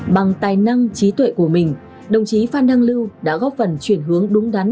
bằng tài năng trí tuệ của mình đồng chí phan đăng lưu đã góp phần chuyển hướng đúng đắn